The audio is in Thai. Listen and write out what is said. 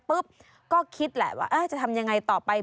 ปุ๊บก็คิดแหละว่าจะทำยังไงต่อไป